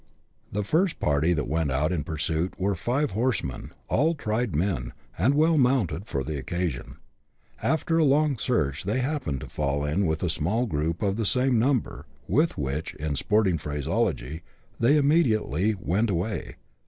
The first party that went out in pursuit were five horsemen, all tried men, and well mounted for the occasion. After a long search, they happened to fall in with a small group of the same number, with which, in sporting phraseology, they immediately " went away."